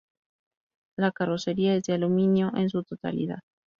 La carrocería es de aluminio en su totalidad.